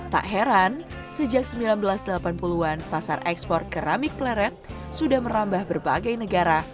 tak heran sejak seribu sembilan ratus delapan puluh an pasar ekspor keramik pleret sudah merambah berbagai negara